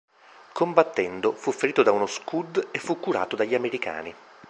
Combattendo, fu ferito da uno Scud e fu curato dagli Americani.